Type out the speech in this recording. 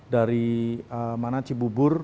dari mana cibubur